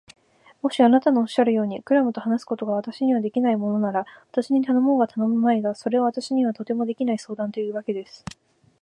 もしあなたのおっしゃるように、クラムと話すことが私にはできないものなら、私に頼もうが頼むまいが、それは私にはとてもできない相談というわけです。